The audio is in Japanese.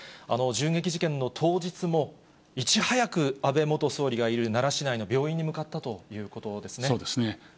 銃撃事件の当日も、いち早く安倍元総理がいる奈良市内の病院に向かったということでそうですね。